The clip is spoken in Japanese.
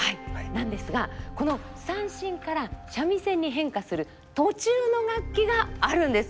なんですがこの三線から三味線に変化する途中の楽器があるんです。